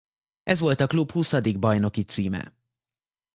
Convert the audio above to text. Ez volt a klub huszadik bajnoki címe.